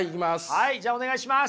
はいじゃあお願いします！